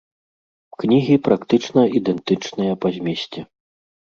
Кнігі практычна ідэнтычныя па змесце.